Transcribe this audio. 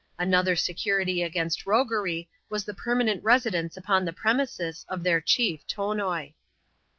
Another security against roguery was the permanent residence upon the premises of their chief, Tonoi.